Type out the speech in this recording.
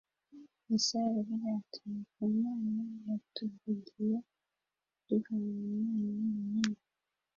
Yesaya aravuga ati: « Nuko Umwana yatuvukiye, duhawe umwana w’umuhungu,